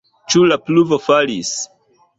Ĉu la pluvo falis?